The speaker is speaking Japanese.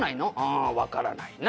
「あわからないな」